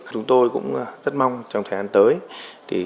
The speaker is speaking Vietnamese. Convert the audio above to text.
chúng tôi cũng rất mong trong thời gian tới